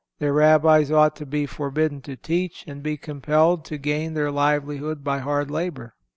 Their rabbis ought to be forbidden to teach and be compelled to gain their livelihood by hard labor.